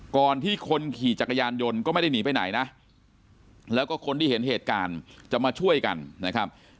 ก่อนที่คนขี่จักรยานยนต์ก็ไม่ได้หนีไปไหนนะแล้วก็คนที่เห็นเหตุการณ์จะมาช่วยกันนะครับ